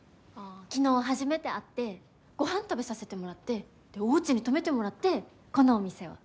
昨日初めて会ってごはん食べさせてもらってでおうちに泊めてもらってこのお店を。